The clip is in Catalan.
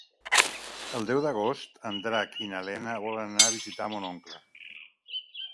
El deu d'agost en Drac i na Lena volen anar a visitar mon oncle.